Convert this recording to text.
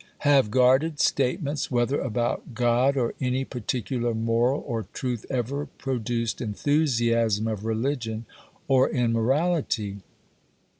Have guarded statements, whether about God or any particular moral or truth, ever produced enthusiasm of religion or in morality?